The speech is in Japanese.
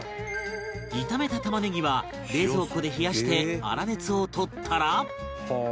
炒めた玉ねぎは冷蔵庫で冷やして粗熱を取ったら